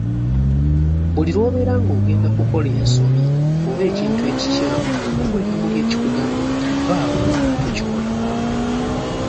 Buli lw'obeera ng'ogenda kukola ensobi oba ekintu ekikyamu owulira muli ekikugamba nti, "Vvaawo tokikola".